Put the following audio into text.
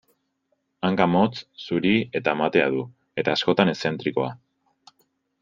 Hanka motz, zuri eta matea du, eta askotan eszentrikoa.